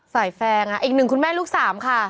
ใส่แฟงอ่ะอีกหนึ่งคุณแม่ลูกสามค่ะ